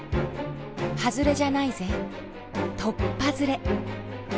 ハズレじゃないぜとっぱずれ！